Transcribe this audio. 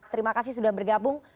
terima kasih sudah bergabung